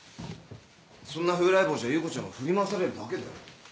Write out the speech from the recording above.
そんな風来坊じゃ優子ちゃんが振り回されるだけだよ。